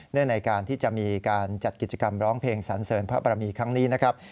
ในการที่จะมีการจัดกิจกรรมร้องเพลงสันเสริญพระบรมีครั้งนี้นะครับ